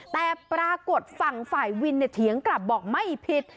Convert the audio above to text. แต่ปรากฏฝั่งฝ่ายวินเถียงกลับบอกไม่ผิด